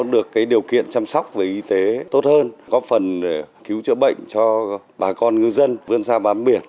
được điều kiện chăm sóc về y tế tốt hơn có phần để cứu chữa bệnh cho bà con ngư dân vươn xa bán biển